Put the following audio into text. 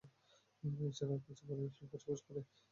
এছাড়া কিছু বার্মিজ লোক বসবাস করে।